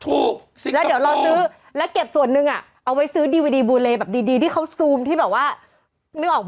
ถูกแล้วเดี๋ยวรอซื้อแล้วเก็บส่วนหนึ่งเอาไว้ซื้อดีวิดีบูเลแบบดีที่เขาซูมที่แบบว่านึกออกป่